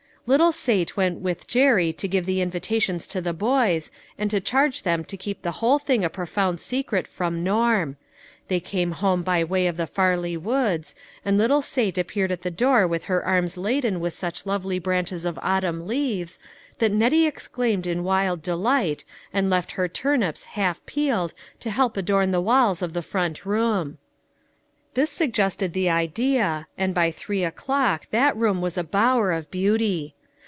Little Sate went with Jerry to give the invi tations to the boys, and to charge them to keep the whole thing a profound secret from Norm ; they came home by way of the Farley woods, THE CROWNING WONDEB. 407 and little Sate appeared at the door with her arms laden with such lovely branches of autumn leaves, that Nettie exclaimed in wild delight, and left her turnips half pealed to help adorn the walls of the front room. This suggested the idea, and by three o'clock that room was a bower of beauty.